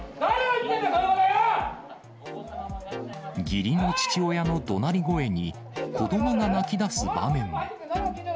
義理の父親のどなり声に、子どもが泣きだす場面も。